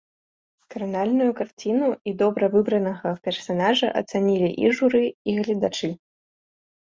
Кранальную карціну і добра выбранага персанажа ацанілі і журы, і гледачы.